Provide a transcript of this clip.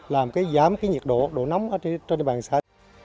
làm cái giám cái nhiệt độ độ nóng ở trên địa bàn xã